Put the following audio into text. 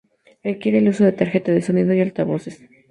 Requiere el uso de tarjeta de sonido y altavoces.